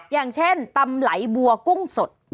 อย่างเช่นตำไหลบัวกุ้งสด